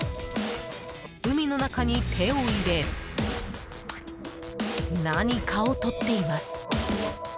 海の中に手を入れ何かをとっています。